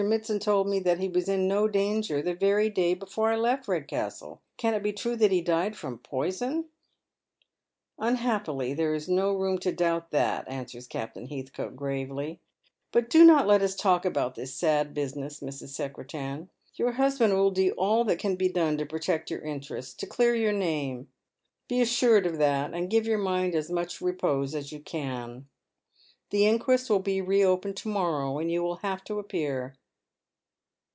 Mitsand told me that he was in no danger the very day before I left Pedcastle. Can it be true that he died from poison ?"Unhappily there is oo room to doubt that," answere Captaia *^^Ti8 held that sorrow matces us vAsef' S? 5 Hcathcote, ^avely ;" but do not let us talk about this sad busi ness, Mrs. Secretan. Your husband fill do all that can be done to protect your interests ^to clear your name. Be assured of that, and give your mind as much repose as you can. The inquest will be re opened to morrow, and you will have to appear."